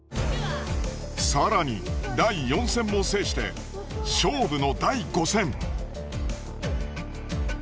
更に第４戦も制して勝負の第５戦。